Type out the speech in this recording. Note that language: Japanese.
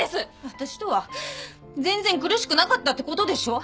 私とは全然苦しくなかったってことでしょ。